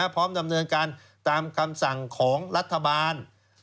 พร้อมดำเนินการตามคำสั่งของรัฐบาล